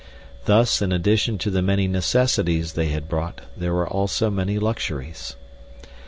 Thus, in addition to the many necessities they had brought, there were also many luxuries.